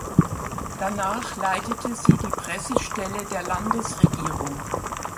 Danach leitete sie die Pressestelle der Landesregierung.